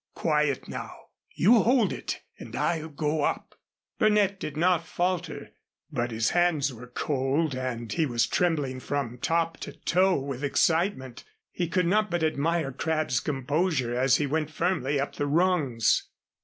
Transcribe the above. Quiet, now. You hold it and I'll go up." Burnett did not falter. But his hands were cold, and he was trembling from top to toe with excitement. He could not but admire Crabb's composure as he went firmly up the rungs.